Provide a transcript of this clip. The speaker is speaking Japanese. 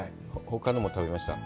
ほかのも食べました？